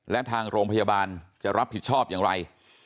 และทางโรงพยาบาลจะรับผิดชอบอย่างไร